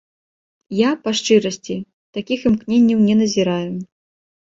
Я, па шчырасці, такіх імкненняў не назіраю.